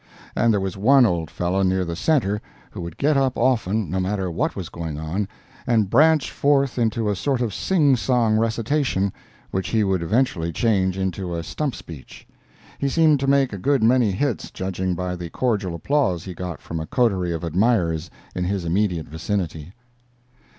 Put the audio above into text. And there was one old fellow near the center who would get up often, no matter what was going on, and branch forth into a sort of singsong recitation, which he would eventually change into a stump speech; he seemed to make a good many hits judging by the cordial applause he got from a coterie of admirers in his immediate vicinity.